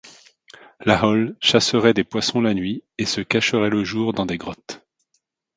L'ahool chasserait des poissons la nuit, et se cacherait le jour dans des grottes.